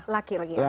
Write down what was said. laki lagi ya